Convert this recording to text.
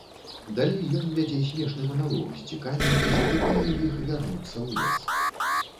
Далей ён вядзе смешны маналог з дзікамі і заклікае іх вярнуцца ў лес.